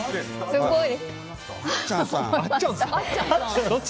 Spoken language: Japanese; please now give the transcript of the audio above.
すごい。